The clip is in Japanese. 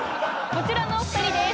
こちらのお二人です。